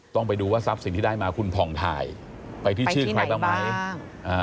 ต้องไปดูว่าทรัพย์สินที่ได้มาคุณผ่องถ่ายไปที่ชื่อใครบ้างไหม